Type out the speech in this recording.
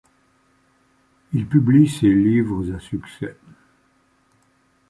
Il publie ses livres à succès.